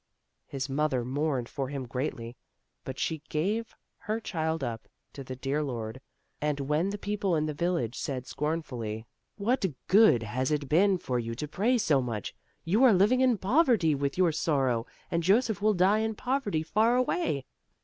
His mother mourned for him greatly, but she gave her child up to the dear Lord, and when the people in the village said scornfully: "What good has it been for you to pray so much? You are living in poverty with your sor row, and Joseph will die in poverty far away."